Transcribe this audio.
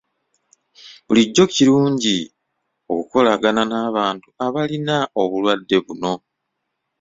Bulijjo kirungi okukolagana n'abantu abalina obulwadde buno.